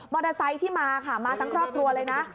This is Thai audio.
มอเตอร์ไซต์ที่มาค่ะมาทั้งครอบครัวเลยนะ